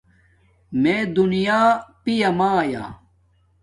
میے دُونیا پیامایا